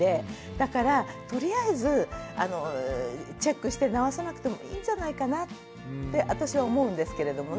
だからとりあえずチェックして直さなくてもいいんじゃないかなって私は思うんですけれどもね。